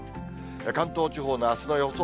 関東地方のあすの予想